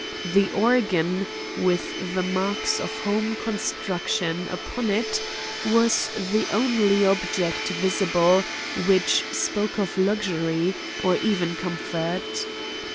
The organ, with the marks of home construction upon it, was the only object visible which spoke of luxury or even comfort.